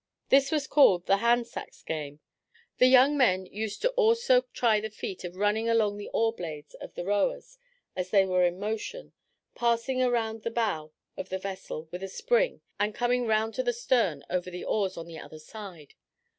This was called the handsax game. The young men used also to try the feat of running along the oar blades of the rowers as they were in motion, passing around the bow of the vessel with a spring and coming round to the stern over the oars on the other side.